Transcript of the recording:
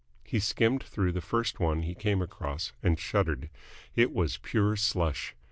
He skimmed through the first one he came across, and shuddered. It was pure slush.